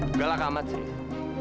enggak lah kamat sih